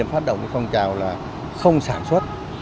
phát động phong trào là không sản xuất